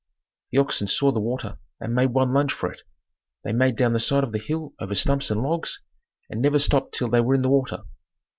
The oxen saw the water and made one lunge for it. They made down the side of the hill over stumps and logs and never stopped till they were in the water.